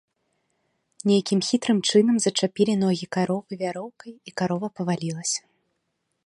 Нейкім хітрым чынам зачапілі ногі каровы вяроўкай і карова павалілася.